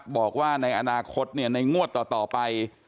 บอกว่าในอนาคตในงวดต่อไป